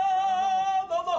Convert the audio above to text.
どうぞ！